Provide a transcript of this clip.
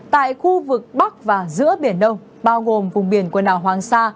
tại khu vực bắc và giữa biển đông bao gồm vùng biển quần đảo hoàng sa